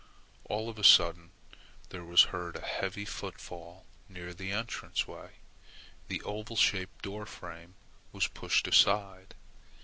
All of a sudden there was heard a heavy footfall near the entrance way. The oval shaped door frame was pushed aside.